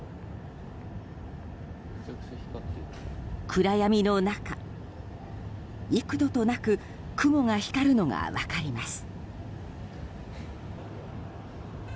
暗闇の中、幾度となく雲が光るのが分かります。